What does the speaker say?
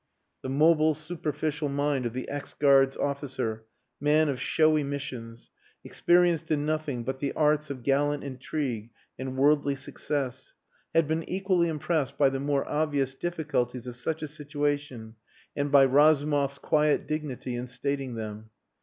The mobile, superficial mind of the ex Guards officer, man of showy missions, experienced in nothing but the arts of gallant intrigue and worldly success, had been equally impressed by the more obvious difficulties of such a situation and by Razumov's quiet dignity in stating them.